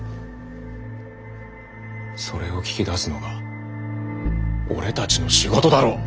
それを聞き出すのが俺たちの仕事だろ。